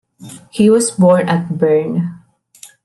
He was born at Bern.